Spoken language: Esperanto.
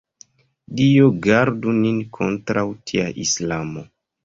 Dio gardu nin kontraŭ tia islamo!